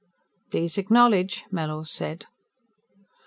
"Please acknowledge," Mellors said.